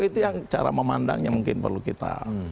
itu yang cara memandangnya mungkin perlu kita